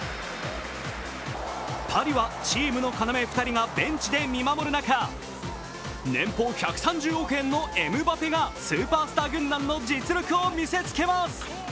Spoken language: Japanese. パリはチームの要２人がベンチで見守る中、年俸１３０億円のエムバペがスーパースター軍団の実力を見せつけます。